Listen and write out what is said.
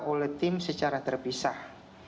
oleh tim secara terpisah